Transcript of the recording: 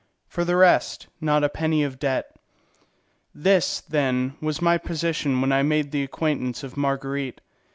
For the rest, not a penny of debt. This, then, was my position when I made the acquaintance of Marguerite.